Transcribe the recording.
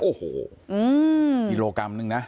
โอ้โหกิโลกรัมนึงนะ